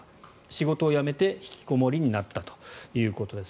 仕事を辞めて引きこもりになったということです。